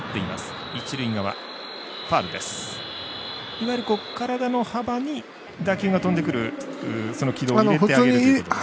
いわゆる体の幅に打球が飛んでくるその軌道に入れてあげたらということですね。